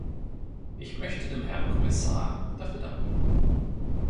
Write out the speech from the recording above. Ich möchte dem Herrn Kommissar dafür danken.